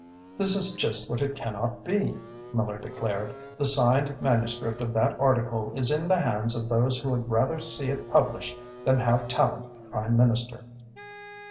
"That is just what it cannot be," Miller declared. "The signed manuscript of that article is in the hands of those who would rather see it published than have Tallente Prime Minister."